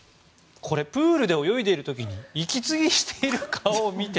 プールで泳いでいる時に息継ぎをしている顔を見て。